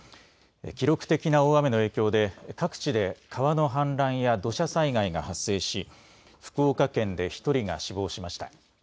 記録的な大雨の影響で各地で川の氾濫や土砂災害が発生し福岡県で１人が死亡しました。